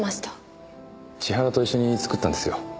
千原と一緒に作ったんですよ。